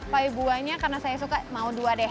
pae buahnya karena saya suka mau dua deh